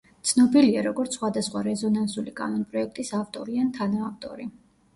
ცნობილია როგორც სხვადასხვა რეზონანსული კანონპროექტის ავტორი ან თანაავტორი.